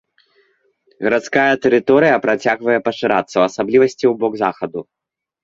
Гарадская тэрыторыя працягвае пашырацца, у асаблівасці, у бок захаду.